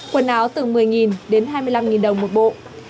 quần áo từ một mươi đến hai mươi năm đồng một bộ